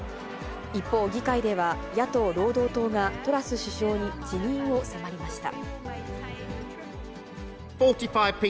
一方、議会では、野党・労働党がトラス首相に辞任を迫りました。